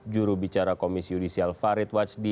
juru bicara komisi judisial farid wajdi